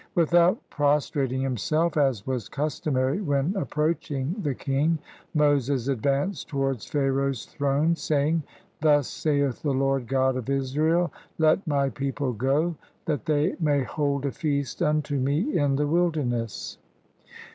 Without prostrating himself, as was customary when approaching the king, Moses advanced towards Pha raoh's throne, saying, — "Thus saith the Lord God of Israel: Let my people go, that they may hold a feast unto me in the wilder ness."